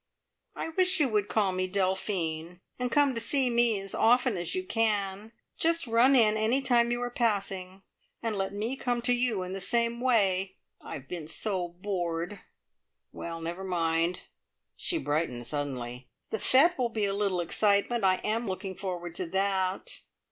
I wish you would call me `Delphine,' and come to see me as often as you can. Just run in any time you are passing, and let me come to you in the same way. I've been so bored. Well, never mind," she brightened suddenly; "the fete will be a little excitement. I am looking forward to that."